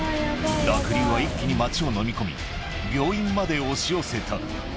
濁流は一気に街を飲み込み、病院まで押し寄せた。